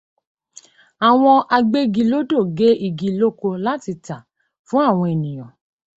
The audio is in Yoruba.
Àwọn agbégilódò gé igi lóko láti tàá fún àwọn ènìyàn.